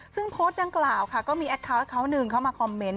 ซึ่งโพสต์ดังกล่าวค่ะก็มีแอคเคาน์เขาหนึ่งเข้ามาคอมเมนต์